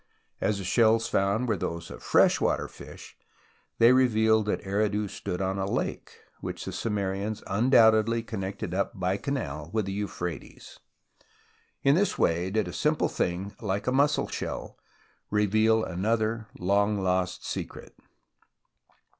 As the shells found were those of fresh water fish, they revealed that Eridu stood on a lake, which the Sumerians undoubtedly con nected up by canal with the Euphrates. In this way did a simple thing like a mussel shell reveal another long lost secret.